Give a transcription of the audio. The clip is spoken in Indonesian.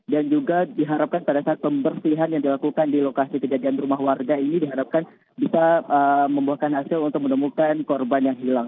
dan juga diharapkan pada saat pembersihan yang dilakukan di lokasi kejadian rumah warga ini diharapkan bisa membuahkan hasil untuk menemukan korban yang hilang